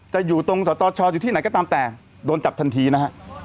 จะอยู่ตรงสตชอยู่ที่ไหนก็ตามแต่โดนจับทันทีนะฮะ